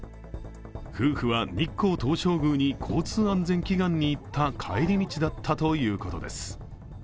夫婦は日光東照宮に交通安全祈願に行った帰り道だったということです。